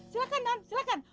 silahkan nan silahkan